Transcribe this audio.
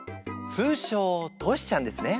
通称トシちゃんですね。